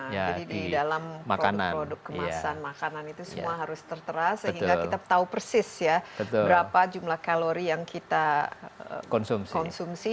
jadi di dalam produk produk kemasan makanan itu semua harus tertera sehingga kita tahu persis ya berapa jumlah kalori yang kita konsumsi